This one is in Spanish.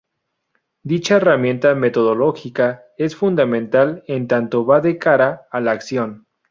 Dicha herramienta metodológica es fundamental, en tanto va de cara a la acción.